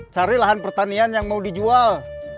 cari lahan pertanian yang mau dijual